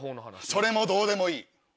それもどうでもいい。